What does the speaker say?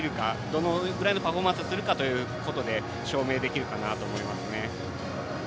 どのぐらいのパフォーマンスするかというので証明できるかなと思いますね。